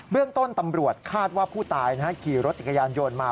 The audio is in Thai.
เรื่องต้นตำรวจคาดว่าผู้ตายขี่รถจักรยานยนต์มา